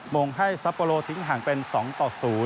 งงให้ซัปโปโลทิ้งห่างเป็น๒ต่อ๐